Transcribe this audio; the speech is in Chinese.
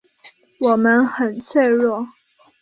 我们很脆弱